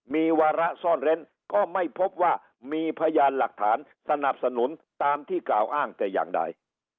มีวาระซ่อนเร้นก็ไม่พบว่ามีพยานหลักฐานสนับสนุนตามที่กล่าวอ้างแต่อย่างใด